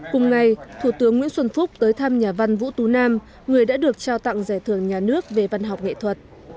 cùng ngày thủ tướng nguyễn xuân phúc tới thăm nhà văn vũ tú nam người đã được trao tặng giải thưởng nhà nước về văn học nghệ thuật